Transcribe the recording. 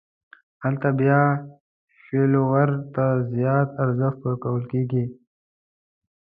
هلته بیا فلېور ته زیات ارزښت ورکول کېږي.